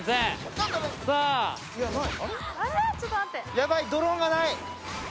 ヤバいドローンがない。